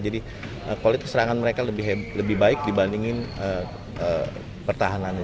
jadi kualitas serangan mereka lebih baik dibandingin pertahanannya